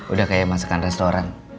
udah kayak masakan restoran